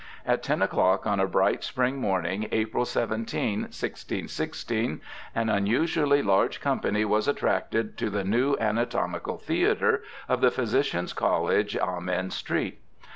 At ten o'clock on a bright spring morning, April 17, 1616, an unusually large company was attracted to the New Anatomical Theatre of the Physicians' College, Amen Street.